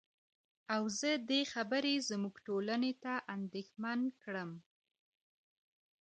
او زه دې خبرې زمونږ ټولنې ته اندېښمن کړم.